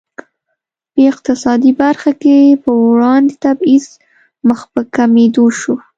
په اقتصادي برخه کې پر وړاندې تبعیض مخ په کمېدو شو.